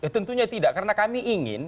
tentunya tidak karena kami ingin